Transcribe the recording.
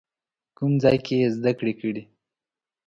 کوم ځای کې یې زده کړې کړي؟